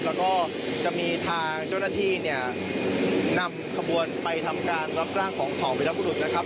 แล้วก็จะมีทางเจ้าหน้าที่นำขบวนไปทำการรับร่างของ๒วีรัตน์ผู้หลุดนะครับ